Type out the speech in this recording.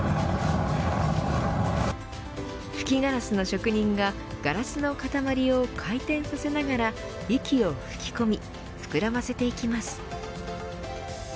吹きガラスの職人がガラスの塊を回転させながら息を吹き込み膨らませていきます。